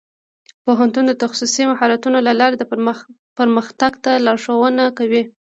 پوهنتون د تخصصي مهارتونو له لارې پرمختګ ته لارښوونه کوي.